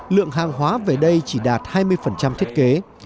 lượng hàng hóa về đây chỉ đạt hai mươi thiết kế